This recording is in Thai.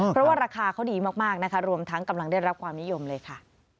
เพราะว่าราคาเขาดีมากนะคะรวมทั้งกำลังได้รับความนิยมเลยค่ะ